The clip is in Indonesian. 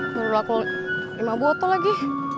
menurut aku lima botol lagi